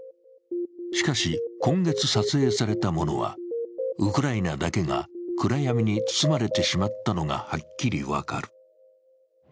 しかし、今月撮影されたものはウクライナだけが暗闇に包まれてしまったのがはっきり分かる。